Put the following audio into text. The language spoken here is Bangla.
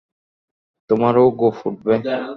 তোমারো গোঁফ উঠবে।